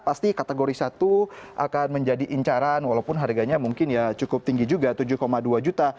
pasti kategori satu akan menjadi incaran walaupun harganya mungkin ya cukup tinggi juga tujuh dua juta